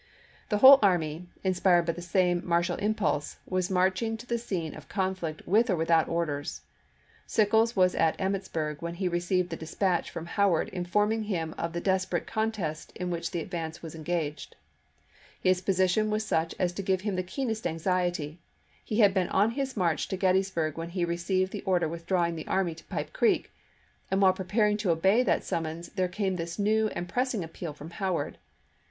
The whole army, inspired by the same martial impulse, was marching to the scene of conflict with or without orders. Sickles was at Emmitsburg when he received the dispatch from Howard informing him of the desperate contest in which the advance was engaged. His position was such as to give him the keenest anxiety ; he had been on his march to Gettysburg when he received the order withdrawing the army to Pipe Creek, and while preparing to obey that summons there came this new and pressing appeal from Howard.